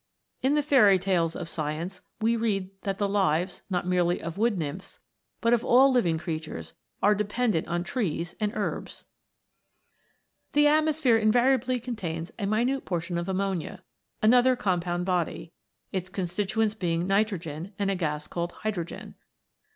In the fairy tales of science we read that the lives, not merely of wood nymphs, but of all living crea tures, are dependent on trees and herbs ! The atmosphere invariably contains a minute portion of ammonia, another compound body, its constituents being nitrogen and a gas called hydro THE FOUR ELEMENTS. 39 gen.